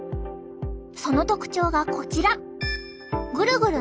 その特徴がこちら！